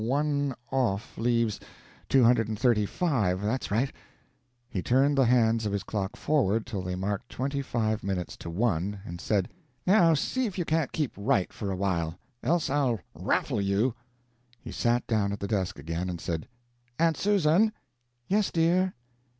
One off, leaves two hundred and thirty five. That's right." He turned the hands of his clock forward till they marked twenty five minutes to one, and said, "Now see if you can't keep right for a while else I'll raffle you!" He sat down at the desk again, and said, "Aunt Susan!" "Yes, dear."